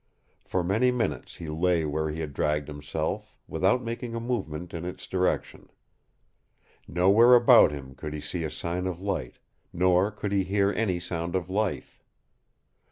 For many minutes he lay where he had dragged himself, without making a movement in its direction. Nowhere about him could he see a sign of light, nor could he hear any sound of life.